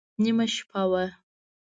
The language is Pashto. نیمه شپه وه.